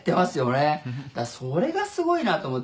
「それがすごいなと思って」